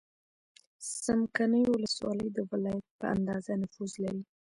څمکنیو ولسوالۍ د ولایت په اندازه نفوس لري.